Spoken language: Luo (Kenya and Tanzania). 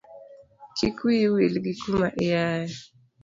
Kik wiyi wil gi kuma iaye.